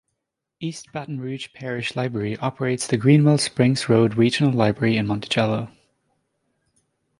East Baton Rouge Parish Library operates the Greenwell Springs Road Regional Library in Monticello.